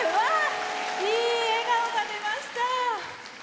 いい笑顔が出ました。